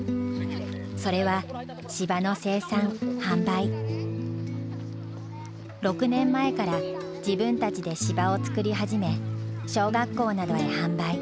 それは６年前から自分たちで芝を作り始め小学校などへ販売。